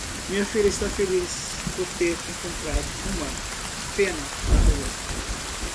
Minha filha está feliz por ter encontrado uma pena na rua.